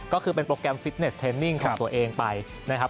ก็คือเป็นโปรแกรมฟิตเนสเทนนิ่งของตัวเองไปนะครับ